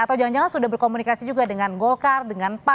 atau jangan jangan sudah berkomunikasi juga dengan golkar dengan pan